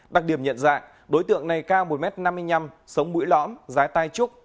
đặc điểm nhận dạng đối tượng này cao một m năm mươi năm sống mũi lõm giá tai trúc